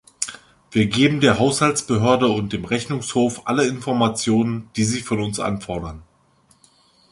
Wir geben der Haushaltsbehörde und dem Rechnungshof alle Informationen, die sie von uns anfordern.